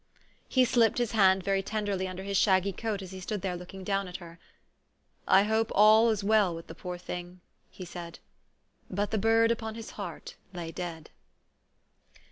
He slipped his hand very tenderly under his shaggy coat as he stood there looking down at her. " I hope all is well with the poor thing/' said he. But the bird upon his heart lay dead.